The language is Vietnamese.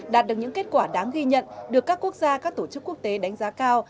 đạt được những kết quả đáng ghi nhận được các quốc gia các tổ chức quốc tế đánh giá cao